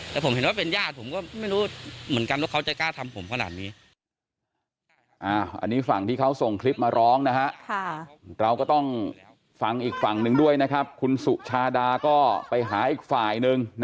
แต่ผมเห็นว่าเป็นญาติผมก็ไม่รู้เหมือนกันว่าเขาจะกล้าทำผมขนาดนี้